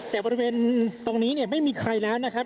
แต่บริเวณตรงนี้เนี่ยไม่มีใครแล้วนะครับ